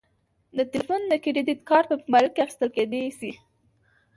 د تلیفون د کریدت کارت په موبایل کې اخیستل کیدی شي.